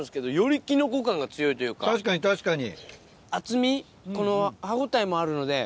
確かに確かに。